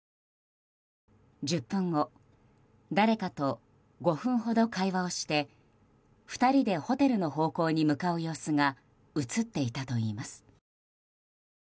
１０分後誰かと５分ほど会話をして２人でホテルの方向に向かう様子が映っていたといいます。